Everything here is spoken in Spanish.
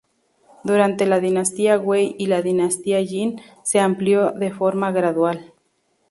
Durante la dinastía Wei y la dinastía Jin se amplió de forma gradual.